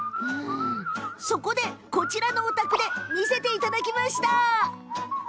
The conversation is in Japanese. それでは、こちらのお宅で見せていただきましょう。